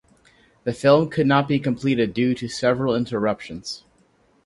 The film could not be completed due to several interruptions.